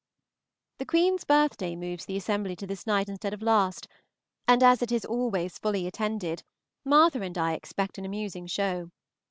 The Queen's birthday moves the assembly to this night instead of last, and as it is always fully attended, Martha and I expect an amusing show.